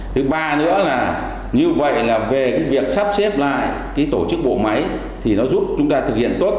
thứ ba nữa là như vậy là về cái việc sắp xếp lại tổ chức bộ máy thì nó giúp chúng ta thực hiện tốt